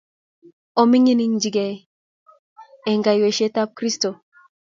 Oming'injige ge eng' kaiyweisietab Kristo.